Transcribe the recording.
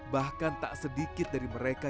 bahkan tak sedikit dari mereka